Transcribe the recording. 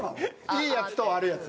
いいやつと悪いやつ。